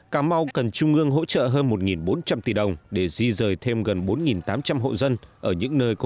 cà mau cần trung ương hỗ trợ hơn một bốn trăm linh tỷ đồng để di rời thêm gần bốn tám trăm linh hộ dân ở những nơi có